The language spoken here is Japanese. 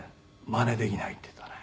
まねできない」って言ったね。